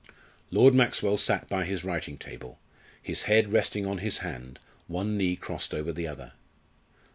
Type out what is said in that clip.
Lord Maxwell sat by his writing table, his head resting on his hand, one knee crossed over the other.